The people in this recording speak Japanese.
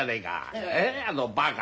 あのバカ。